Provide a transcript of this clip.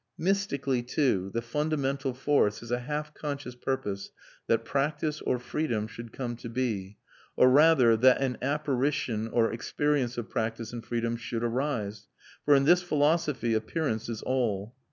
Mystically, too, the fundamental force is a half conscious purpose that practice, or freedom, should come to be; or rather, that an apparition or experience of practice and freedom should arise; for in this philosophy appearance is all.